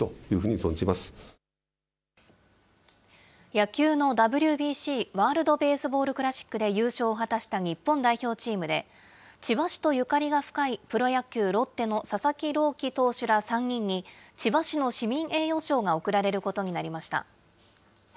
野球のＷＢＣ・ワールドベースボールクラシックで優勝を果たした日本代表チームで、千葉市とゆかりが深いプロ野球・ロッテの佐々木朗希投手ら３人に、千葉市の市民栄誉賞が贈られることになりました。